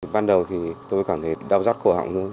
ban đầu thì tôi cảm thấy đau rắc khổ họng